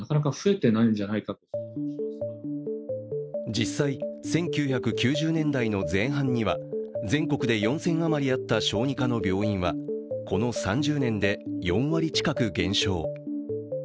実際、１９９０年代の前半には全国で４０００余りあった小児科の病院はこの３０年で４割近く減少。